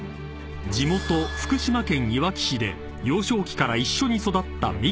［地元福島県いわき市で幼少期から一緒に育った美貴さん］